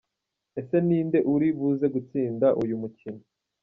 Ese ni inde uri buze gustinda uyu mukino?.